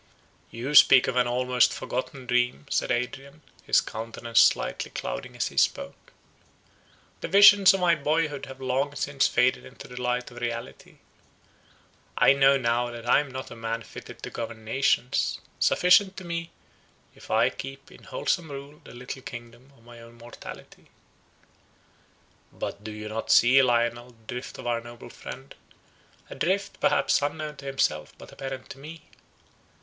"You speak of an almost forgotten dream," said Adrian, his countenance slightly clouding as he spoke; "the visions of my boyhood have long since faded in the light of reality; I know now that I am not a man fitted to govern nations; sufficient for me, if I keep in wholesome rule the little kingdom of my own mortality. "But do not you see, Lionel, the drift of our noble friend; a drift, perhaps, unknown to himself, but apparent to me.